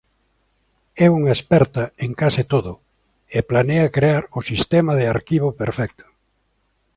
É unha experta en case todo e planea crear o sistema de arquivo perfecto.